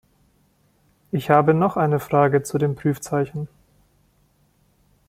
Ich habe noch eine Frage zu dem Prüfzeichen.